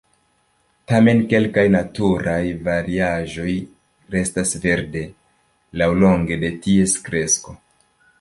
Tamen kelkaj naturaj variaĵoj restas verde laŭlonge de ties kresko.